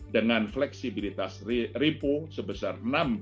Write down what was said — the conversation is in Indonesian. dengan fleksibilitas ripo sebesar